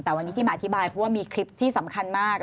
แต่วันนี้ที่มาอธิบายเพราะว่ามีคลิปที่สำคัญมาก